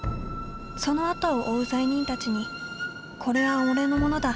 そのあとを追う罪人たちにこれは俺のものだ！